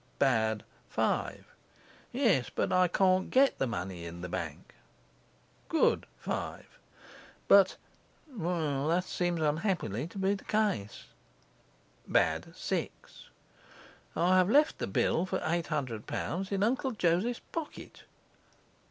5. Yes, but I can't get the money in the bank. 5. But well, that seems unhappily to be the case. 6. I have left the bill for eight hundred pounds in Uncle Joseph's pocket.